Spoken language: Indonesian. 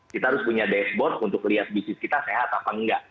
kita harus punya dashboard untuk lihat bisnis kita sehat apa enggak